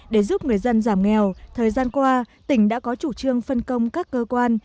để giúp người dân giảm nghèo thời gian qua tỉnh đã có chủ trương phân công các cơ quan